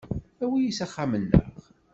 Awi-iyi s axxam-nneɣ.